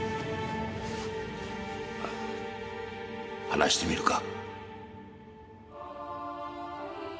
話してみるか？